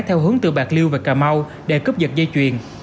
theo hướng từ bạc liêu và cà mau để cướp giật dây chuyền